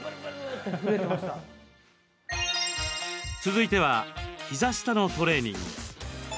続いては、膝下のトレーニング。